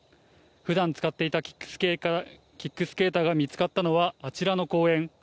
ふだん、使っていたキックスケーターが見つかったのは、あちらの公園。